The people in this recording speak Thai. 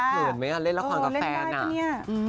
เหมือนไหมคะเล่นละครกับแฟนอ่ะ